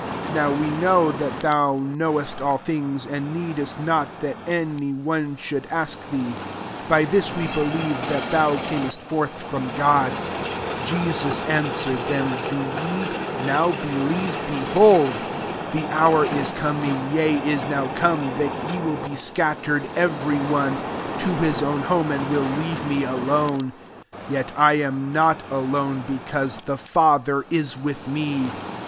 30 Now, we know that thou knowest all things, and needest not that any one should ask theez by this we believe that thou earnest forth from God." 31 Jesus answered them, " Do ye now believe? 32 Behold, the hour is coming, yea, is [now'] come, that ye will be scattered every one to his own home, and will leave me alone: and yet I am not alone, because the Father is with me.